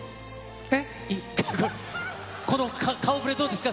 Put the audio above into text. この顔ぶれ、どうですか？